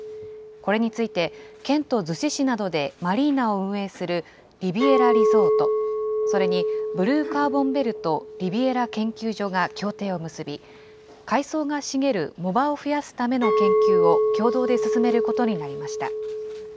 これについて、県と逗子市などでマリーナを運営するリビエラリゾート、それに、ブルーカーボンベルト・リビエラ研究所が協定を結び、海藻が茂る藻場を増やすための研究を共同で進めることになりました。